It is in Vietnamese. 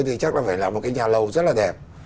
thì chắc là phải là một cái nhà lầu rất là đẹp